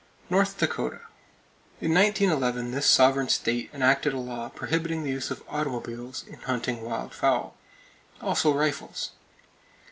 North Dakota: In 1911, this sovereign state enacted a law prohibiting the use of automobiles in hunting wild fowl; also rifles.